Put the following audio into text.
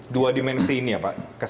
dua dimensi ini ya pak